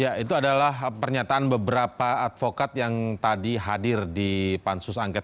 ya itu adalah pernyataan beberapa advokat yang tadi hadir di pansus angket